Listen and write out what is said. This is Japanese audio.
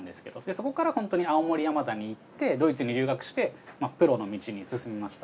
そこからホントに青森山田にいってドイツに留学してプロの道に進みました。